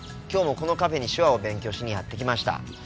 今日もこのカフェに手話を勉強しにやって来ました。